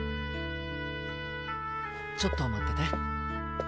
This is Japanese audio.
ちょっと待ってて。